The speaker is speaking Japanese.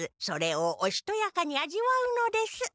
それをおしとやかに味わうのです。